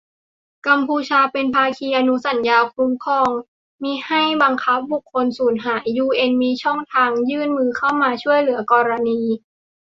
กัมพูชาเป็นภาคีอนุสัญญาคุ้มครองมิให้บังคับบุคคลสูญหาย ยูเอ็นมีช่องทางยื่นมือเข้ามาช่วยเหลือกรณี